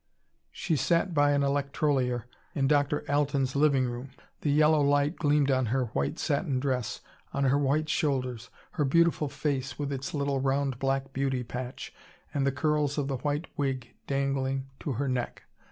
She sat by an electrolier in Dr. Alten's living room. The yellow light gleamed on her white satin dress, on her white shoulders, her beautiful face with its little round black beauty patch, and the curls of the white wig dangling to her neck.